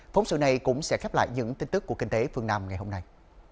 phóng sự này cũng sẽ khép lại những tin tức của kinh tế phương nam ngày hôm nay